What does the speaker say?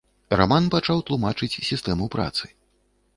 Раман пачаў тлумачыць сістэму працы.